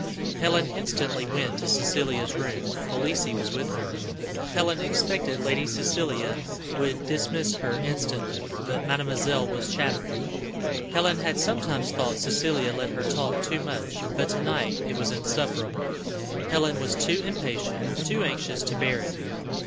Helen instantly went to Cecilia's room; Felicie was with her. Helen expected Lady Cecilia would dismiss her instantly; but mademoiselle was chattering. Helen had sometimes thought Cecilia let her talk too much, but to night it was insufferable. Helen was too impatient, too anxious to bear it.